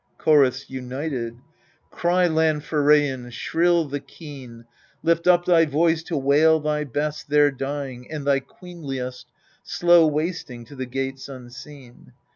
CHORUS, UNITED Cry, land Pheraian, shrill the keen ! Lift up thy voice to wail thy best There dying, and thy queenliest Slow wasting to the gates unseen